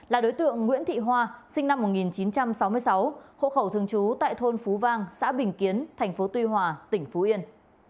là đối tượng nguyễn thị hoa sinh năm một nghìn chín trăm sáu mươi sáu hộ khẩu thường trú tại thôn phú vang xã bình kiến tp tuy hòa tỉnh phú yên